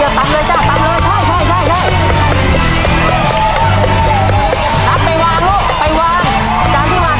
ครับไปวางลูกไปวางจานที่วางเสร็จแล้วไปลูกไปเร็วเร็วสามจ้านนะครับ